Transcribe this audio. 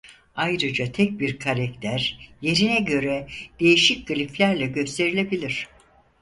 Ayrıca tek bir karakter yerine göre değişik gliflerle gösterilebilir.